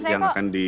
yang akan di